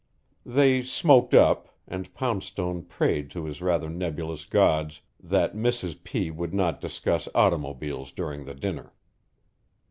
They "smoked up," and Poundstone prayed to his rather nebulous gods that Mrs. P. would not discuss automobiles during the dinner.